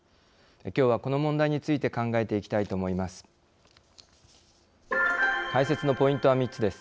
きょうは、この問題について考えていきたいと思います。